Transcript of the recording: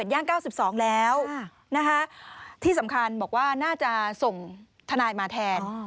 ย่าง๙๒แล้วนะคะที่สำคัญบอกว่าน่าจะส่งทนายมาแทน